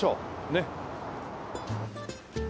ねっ。